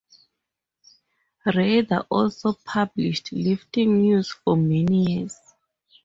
Rader also published "Lifting News" for many years.